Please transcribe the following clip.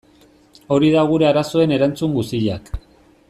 Hor dira gure arazoen erantzun guziak.